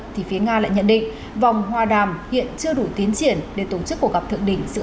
thì phía nga lại nhận định vòng hòa đàm hiện chưa đủ tiến triển để tổ chức cuộc gặp thượng đỉnh giữa